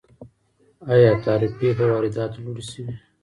آیا تعرفې په وارداتو لوړې شوي؟